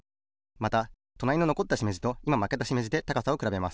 またとなりののこったしめじといままけたしめじで高さをくらべます。